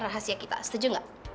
rahasia kita setuju gak